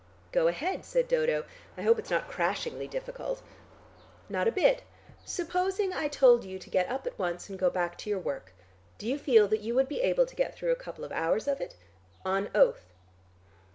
"Go ahead," said Dodo, "I hope it's not crashingly difficult." "Not a bit. Supposing I told you to get up at once and go back to your work, do you feel that you would be able to get through a couple of hours of it? On oath."